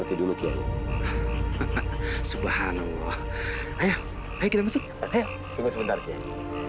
tunggu sebentar kiai